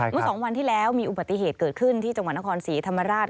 เมื่อ๒วันที่แล้วมีอุบัติเหตุเกิดขึ้นที่จังหวัดนครศรีธรรมราช